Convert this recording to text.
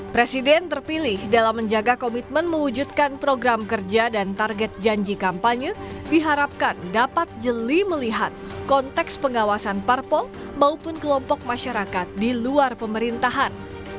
presiden terpilih dalam menjaga komitmen mewujudkan program kerja dan target janji kampanye diharapkan dapat jeli melihat konteks pengawasan parpol maupun kelompok masyarakat di luar pemerintahan